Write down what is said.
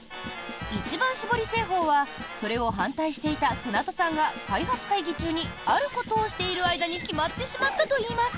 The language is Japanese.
一番搾り製法はそれを反対していた舟渡さんが開発会議中にあることをしている間に決まってしまったといいます。